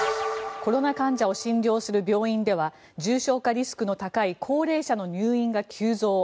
コロナ患者を診療する病院では重症化リスクの高い高齢者の入院が急増。